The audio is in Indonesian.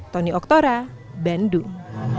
toni oktora bandung